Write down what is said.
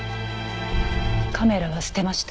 カメラは捨てました。